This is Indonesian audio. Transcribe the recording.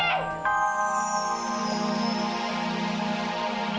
setelah meminta pihak dari mereka